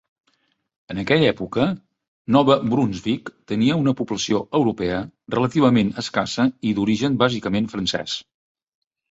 En aquella època, Nova Brunsvic tenia una població europea relativament escassa i d'origen bàsicament francès.